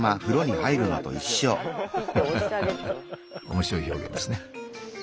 面白い表現ですね。